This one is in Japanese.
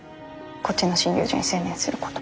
こっちの診療所に専念すること。